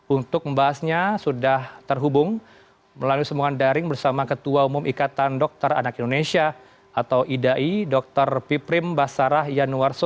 untuk membahasnya sudah terhubung melalui semuanya daring bersama ketua umum ikatan dokter anak indonesia atau idai dr piprim basarah yanuarso